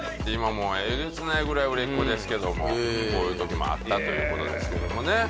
もうえげつないぐらい売れっ子ですけどもこういう時もあったということですけどもね